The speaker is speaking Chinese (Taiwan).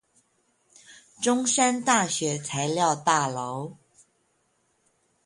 中山大學材料大樓